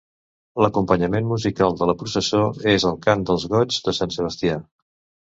L'acompanyament musical de la processó és el cant dels goigs de Sant Sebastià.